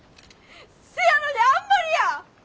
せやのにあんまりや！